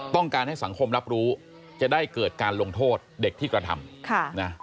ต้องการให้สังคมรับรู้จะได้เกิดการลงโทษเด็กที่กระทำ